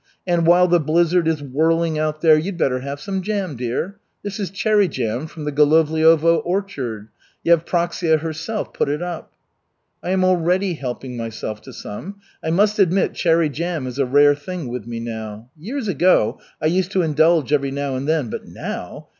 And while the blizzard is whirling out there you'd better have some jam, my dear. This is cherry jam from the Golovliovo orchard. Yevpraksia herself put it up." "I am already helping myself to some. I must admit cherry jam is a rare thing with me now. Years ago I used to indulge every now and then, but now